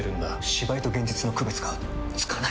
芝居と現実の区別がつかない！